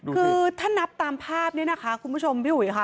คือถ้านับตามภาพเนี่ยนะคะคุณผู้ชมพี่อุ๋ยค่ะ